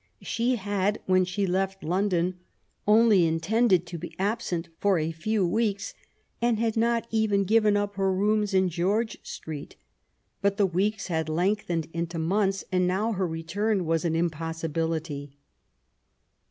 She had^ when she left London^ only intended to be absent for a few weeks^ and had not even given up her rooms in George Street. But the weeks had lengthened into months^ and now her return was an impossibility.